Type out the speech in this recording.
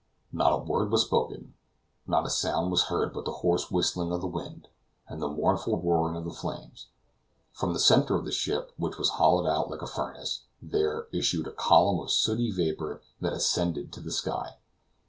Not a word was spoken; not a sound was heard but the hoarse whistling of the wind, and the mournful roaring of the flames. From the center of the ship, which was hollowed out like a furnace, there issued a column of sooty vapor that ascended to the sky.